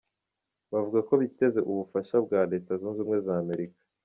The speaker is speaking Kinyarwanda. Bavuga ko biteze ubufasha bwa Leta Zunze Ubumwe za Amerika.